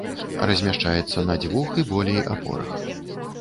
Размяшчаецца на дзвюх і болей апорах.